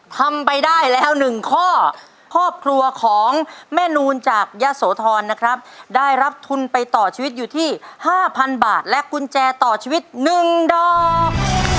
ทำไปได้แล้ว๑ข้อครอบครัวของแม่นูนจากยะโสธรนะครับได้รับทุนไปต่อชีวิตอยู่ที่๕๐๐บาทและกุญแจต่อชีวิต๑ดอก